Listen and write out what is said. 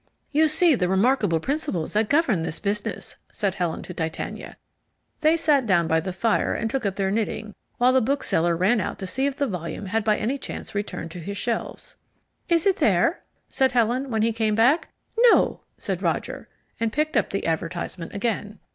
"You see the remarkable principles that govern this business," said Helen to Titania. They sat down by the fire and took up their knitting while the bookseller ran out to see if the volume had by any chance returned to his shelves. "Is it there?" said Helen, when he came back. "No," said Roger, and picked up the advertisement again.